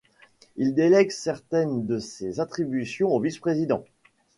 Il délègue certaines de ses attributions aux vice-présidents.